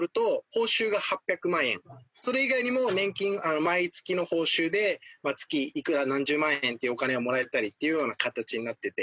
それ以外にも年金毎月の報酬でまあ月いくら何十万円っていうお金がもらえたりっていうような形になってて。